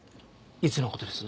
いつの事です？